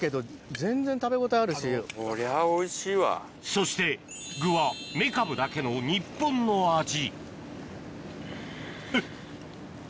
そして具はメカブだけの日本の味